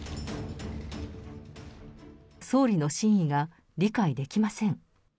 総理の真意が理解できません。